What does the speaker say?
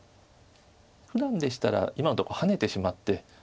ふだんでしたら今のとこハネてしまって。